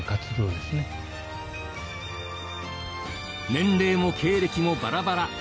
年齢も経歴もバラバラ。